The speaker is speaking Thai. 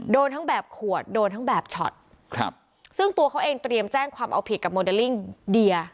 โดนทั้งแบบขวดโดนทั้งแบบช็อตครับซึ่งตัวเขาเองเตรียมแจ้งความเอาผิดกับโมเดลลิ่งเดีย